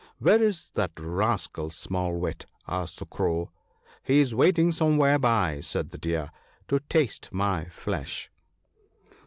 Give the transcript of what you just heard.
" Where is that rascal Small wit ?" asked the Crow. " He is waiting somewhere by," said the Deer, " to taste my flesh."